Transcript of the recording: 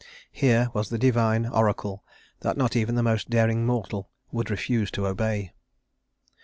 Here was the divine oracle that not even the most daring mortal would refuse to obey.